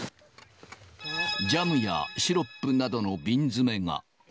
ジャムやシロップなどの瓶詰が。